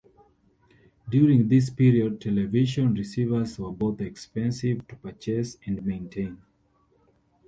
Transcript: During this period television receivers were both expensive to purchase and maintain.